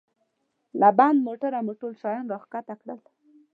له بند موټره مو ټول شیان را کښته کړل.